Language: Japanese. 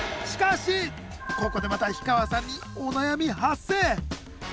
ここでまた氷川さんにお悩み発生！